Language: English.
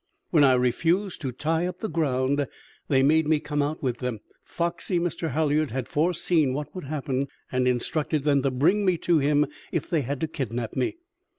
When I refused to tie up the ground, they made me come out with them foxy Mr. Halliard had foreseen what would happen, and instructed them to bring me to him if they had to kidnap me.